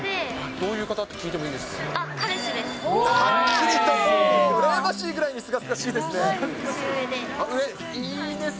どういう方って聞いてもいい彼氏です。